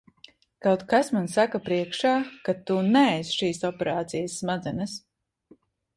Kaut kas man saka priekšā, ka tu neesi šīs operācijas smadzenes.